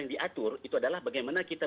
yang diatur itu adalah bagaimana kita